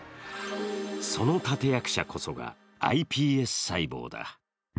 その立て役者こそが、ｉＰＳ細胞だ。